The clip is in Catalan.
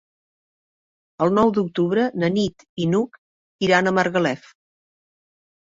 El nou d'octubre na Nit i n'Hug iran a Margalef.